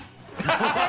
ハハハハ！